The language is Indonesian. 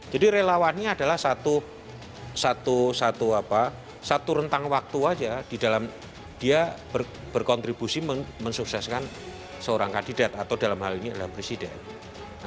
jadi relawannya adalah satu rentang waktu saja di dalam dia berkontribusi mensukseskan seorang kandidat atau dalam hal ini adalah presiden